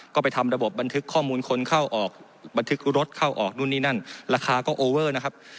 ก็ไปทำระบบบันทึกข้อมูลคนเข้าออกบันทึกรถเข้าออกนู่นนี่นั่นราคาก็โอเวอร์นะครับ